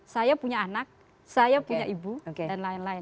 saya punya anak saya punya ibu dan lain lain